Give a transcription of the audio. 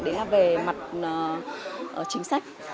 đấy là về mặt chính sách